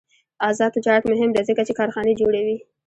آزاد تجارت مهم دی ځکه چې کارخانې جوړوي.